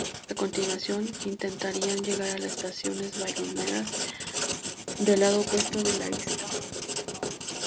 A continuación, intentarían llegar a las estaciones balleneras del lado opuesto de la isla.